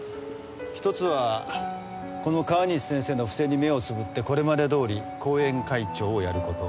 １つはこの川西先生の不正に目をつぶってこれまでどおり後援会長をやる事。